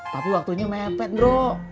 tapi waktunya mepet nro